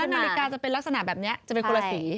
นาฬิกาจะเป็นลักษณะแบบนี้จะเป็นคนละสี